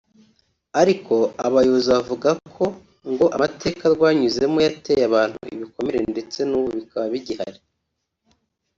ariko abayobozi bavuga ko ngo amateka rwanyuzemo yateye abantu ibikomere ndetse n’ubu bikaba bigihari